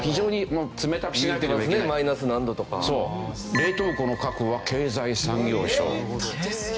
冷凍庫の確保は経済産業省。